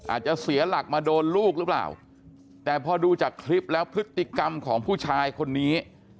เสียหลักมาโดนลูกหรือเปล่าแต่พอดูจากคลิปแล้วพฤติกรรมของผู้ชายคนนี้